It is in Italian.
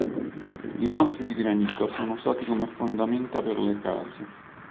I massi di granito sono usati come fondamenta per le case.